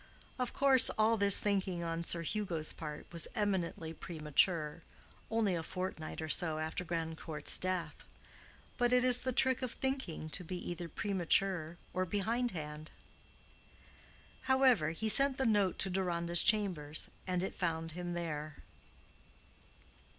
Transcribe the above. Of course all this thinking on Sir Hugo's part was eminently premature, only a fortnight or so after Grandcourt's death. But it is the trick of thinking to be either premature or behind hand. However, he sent the note to Deronda's chambers, and it found him there.